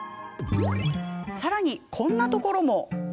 さらに、こんなところも。